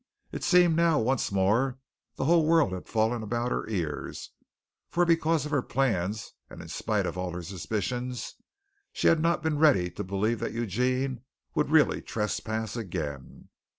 It seemed now once more the whole world had fallen about her ears, for because of her plans and in spite of all her suspicions, she had not been ready to believe that Eugene would really trespass again.